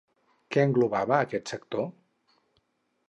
Què engloba aquest sector?